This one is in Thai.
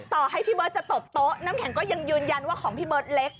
ต่อให้พี่เบิร์ตจะตบโต๊ะน้ำแข็งก็ยังยืนยันว่าของพี่เบิร์ตเล็ก